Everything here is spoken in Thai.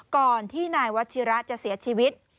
ก่อนที่นายวัชิระจะเสียชีวิต